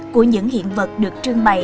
của những hiện vật được trưng bày